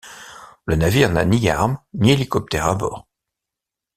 Le navire n'a ni armes ni hélicoptère à bord.